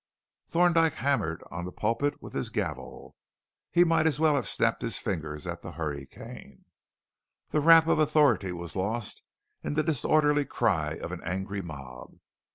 Thorndyke hammered on the pulpit with his gavel. He might as well have snapped his fingers at the hurricane. The rap of authority was lost in the disorderly cry of an angry mob.